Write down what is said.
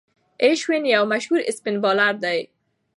اشوين یو مشهور اسپن بالر دئ.